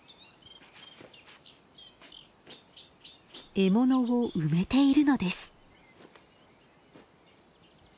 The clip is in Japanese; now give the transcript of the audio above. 獲物を埋めているのです。